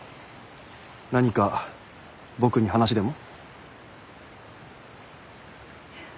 何か僕に話でも？